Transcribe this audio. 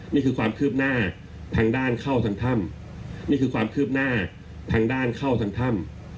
นี่คือความคืบหน้าทางด้านเข้าทางถ้ำนี่คือความคืบหน้าทางด้านเข้าทางถ้ำ